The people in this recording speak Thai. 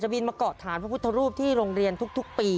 บินมาเกาะฐานพระพุทธรูปที่โรงเรียนทุกปี